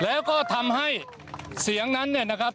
แล้วก็ทำให้เสียงนั้นเนี่ยนะครับ